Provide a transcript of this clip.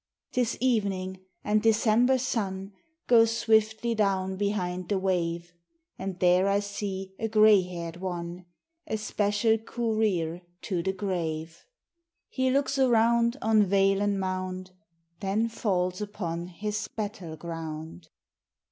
'Tis evening, and December's sun Goes swiftly down behind the wave, And there I see a gray haired one, A special courier to the grave; He looks around on vale and mound, Then falls upon his battle ground.